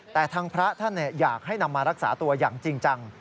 แต่ทางพระท่านอยากให้นำมารักษาตัวอย่างจริงจัง